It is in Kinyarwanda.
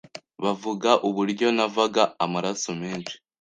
bavuga uburyo navaga amaraso menshi.